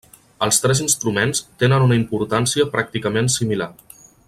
Els tres instruments tenen una importància pràcticament similar.